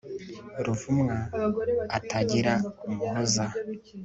ruvumwa, atagira umuhoza